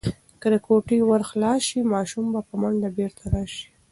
که د کوټې ور خلاص شي، ماشوم به په منډه بیرته راشي.